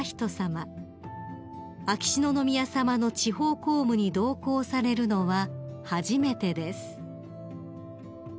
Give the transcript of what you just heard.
［秋篠宮さまの地方公務に同行されるのは初めてです］